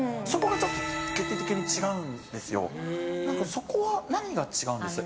そこは何が違うんですか？